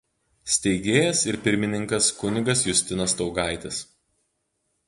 Steigėjas ir pirmininkas kunigas Justinas Staugaitis.